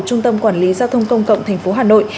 trung tâm quản lý giao thông công cộng tp hà nội